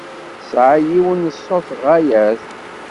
Tesɛa yiwen n ṣṣut ɣaya-t.